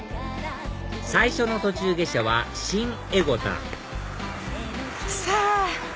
最初の途中下車は新江古田さぁ！